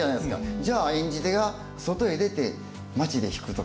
じゃあ演じ手が外へ出て街で弾くとかそういう。